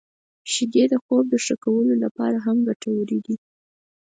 • شیدې د خوب د ښه کولو لپاره هم ګټورې دي.